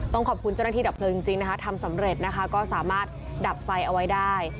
ขอบคุณเจ้าหน้าที่ดับเพลิงจริงนะคะทำสำเร็จนะคะก็สามารถดับไฟเอาไว้ได้